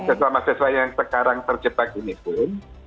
sesama sesama yang sekarang terjebak ini pun